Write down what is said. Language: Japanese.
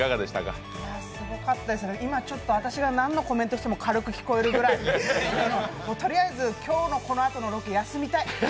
今ちょっと私が何のコメントしても軽く聞こえるぐらい、とりあえず今日のこのあとのロケ、休みたい。